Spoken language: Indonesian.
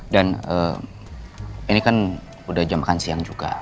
dan ini kan udah jam makan siang juga